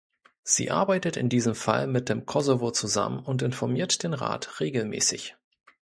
Sie arbeitet in diesem Fall mit dem Kosovo zusammen und informiert den Rat regelmäßig.